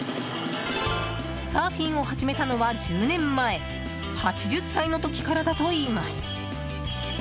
サーフィンを始めたのは１０年前８０歳の時からだといいます。